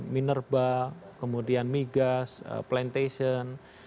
minerba kemudian migas plantation